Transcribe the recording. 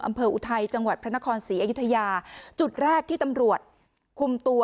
อุทัยจังหวัดพระนครศรีอยุธยาจุดแรกที่ตำรวจคุมตัว